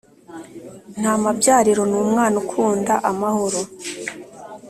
ntamabyariro ni umwana ukunda amahoro